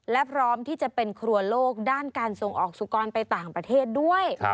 และพร้อมที่จะเป็นครัวโลกด้านการส่งออกสุกรไปต่างประเทศด้วย